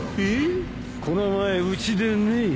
この前うちでねえ。